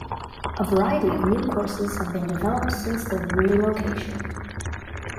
A variety of new courses have been developed since the relocation.